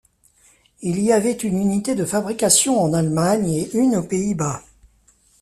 Il y avait une unité de fabrication en Allemagne et une aux Pays-Bas.